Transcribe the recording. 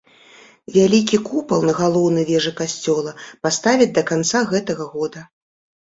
Вялікі купал на галоўнай вежы касцёла паставяць да канца гэтага года.